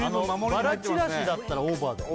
バラちらしだったらオーバーだよ